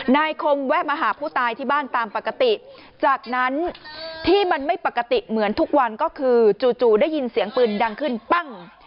คมแวะมาหาผู้ตายที่บ้านตามปกติจากนั้นที่มันไม่ปกติเหมือนทุกวันก็คือจู่ได้ยินเสียงปืนดังขึ้นปั้ง